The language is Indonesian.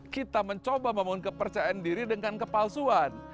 kita mencoba membangun kepercayaan diri dengan kepalsuan